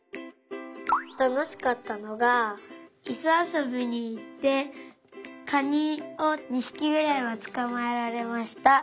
たのしかったのがいそあそびにいってカニを２ひきぐらいはつかまえられました。